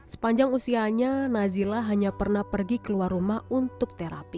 sepanjang usianya nazila hanya pernah pergi keluar rumah untuk terapi